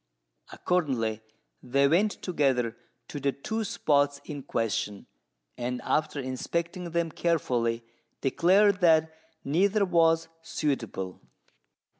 Accordingly, they went together to the two spots in question; and after inspecting them carefully, declared that neither was suitable.